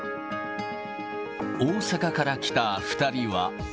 大阪から来た２人は。